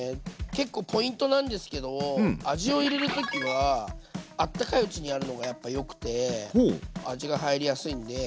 結構ポイントなんですけど味を入れる時はあったかいうちにやるのがやっぱよくて味が入りやすいんで。